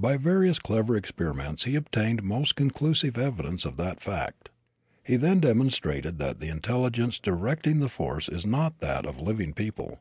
By various clever experiments he obtained most conclusive evidence of that fact. He then demonstrated that the intelligence directing the force is not that of living people.